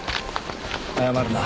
謝るな。